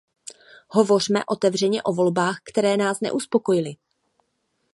Hovořme otevřeně o volbách, které nás neuspokojily.